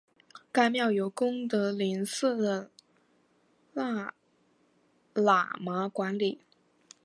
该庙由功德林寺的喇嘛管理。